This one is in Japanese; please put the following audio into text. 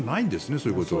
そういうことは。